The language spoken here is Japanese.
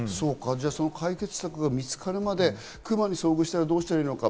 解決策が見つかるまで、クマに遭遇したらどうしたらいいのか？